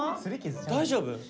大丈夫？